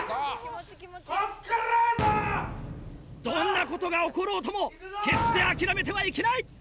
どんなことが起ころうとも決して諦めてはいけない。